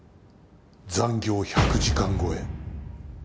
残業１００時間超え。